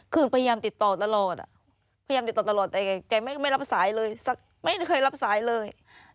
คือพยายามติดต่อตลอดแต่แกไม่รับสายเลยไม่เคยรับสายเลย